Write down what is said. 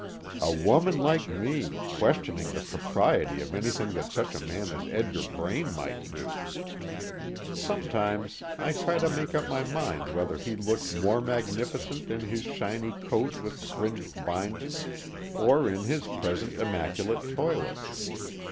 A woman like me, questioning the propriety of anything that such a man as Edgar Braine might do! Sometimes I try to make up my mind whether he looked more magnificent in his shiny coat with fringed bindings, or in his present immaculate toilet.